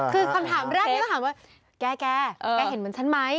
คือคำถามแรกนี้ก็ถามว่าแกแกเห็นเหมือนฉันไหม